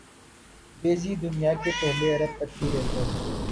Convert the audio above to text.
جے Z دنیا کے پہلے ارب پتی ریپر